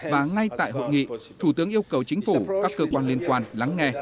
và ngay tại hội nghị thủ tướng yêu cầu chính phủ các cơ quan liên quan lắng nghe